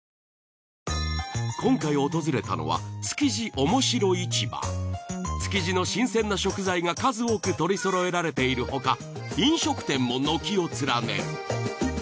今回訪れたのは築地の新鮮な食材が数多く取りそろえられているほか飲食店も軒を連ねる。